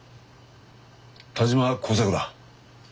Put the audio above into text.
田島耕作だ。